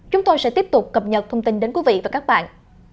chúng tôi sẽ tiếp tục cập nhật thông tin đến quý vị và các bạn